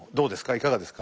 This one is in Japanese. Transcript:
いかがですか？